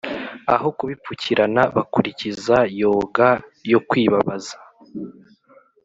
aho kubipfukirana bakurikiza yoga yo kwibabaza